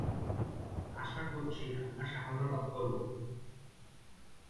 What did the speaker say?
আশা করছি আমরা সাফল্য লাভ করবো।""